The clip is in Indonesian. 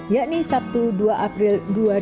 yakni sabtu dua april dua ribu dua puluh